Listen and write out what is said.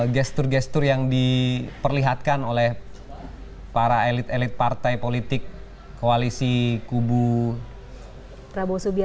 gestur gestur yang diperlihatkan oleh para elit elit partai politik koalisi kubu prabowo subianto